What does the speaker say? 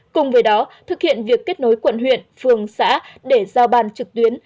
cùng với đó thực hiện việc kết nối quận huyện phường xã để giao ban trực tuyến